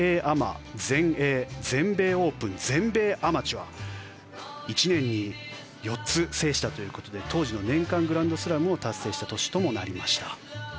その年にはボビー・ジョーンズが全英アマ、全米オープン全米アマチュア１年に４つ制したということで当時の年間グランドスラムを達成した年ともなりました。